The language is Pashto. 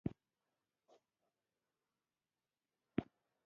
افیکسونه پر وده ډوله دي.